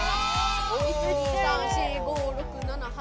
１２３４５６７８。